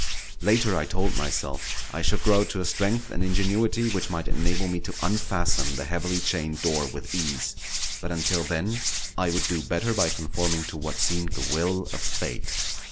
Later, I told myself, I should grow to a strength and ingenuity which might enable me to unfasten the heavily chained door with ease; but until then I would do better by conforming to what seemed the will of Fate.